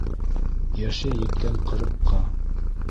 Йәше киткән ҡырыҡка